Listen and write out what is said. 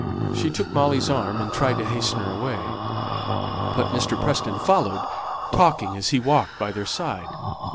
She took Molly's arm and tried to hasten her away; but Mr. Preston followed, talking as he walked by their side.